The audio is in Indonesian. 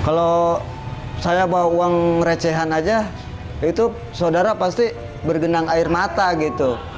kalau saya bawa uang recehan aja itu saudara pasti bergenang air mata gitu